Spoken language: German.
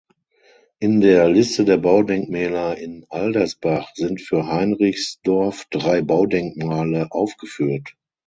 In der "Liste der Baudenkmäler in Aldersbach" sind für Heinrichsdorf drei Baudenkmale aufgeführt.